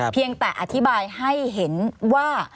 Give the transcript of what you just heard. เพียงแต่อธิบายให้เห็นว่า